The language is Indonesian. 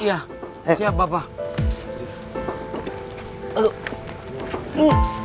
iya siap bapak